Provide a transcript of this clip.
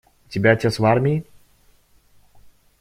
У тебя отец в армии?